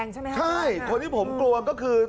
ใช่คนที่ผมกลัวก็คือ